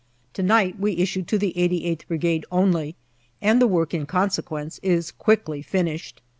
To night we issue to the 88th Brigade only, and the work in consequence is quickly finished.